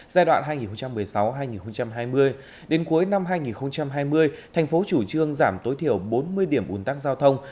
giai đoạn hai nghìn một mươi sáu hai nghìn hai mươi đến cuối năm hai nghìn hai mươi thành phố chủ trương giảm tối thiểu bốn mươi điểm ủn tắc giao thông